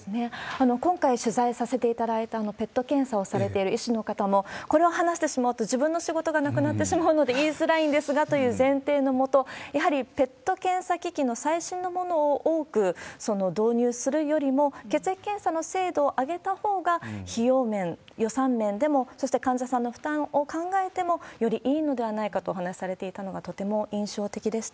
今回、取材させていただいたＰＥＴ検査をされている医師の方も、これを話してしまうと、自分の仕事がなくなってしまうので言いづらいんですがという前提の下、やはりＰＥＴ検査機器の最新のものを多く導入するよりも、血液検査の精度を上げたほうが、費用面、予算面でも、そして患者さんの負担を考えても、よりいいのではないかとお話しされていたのがとても印象的でした。